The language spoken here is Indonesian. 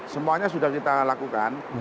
semuanya sudah kita lakukan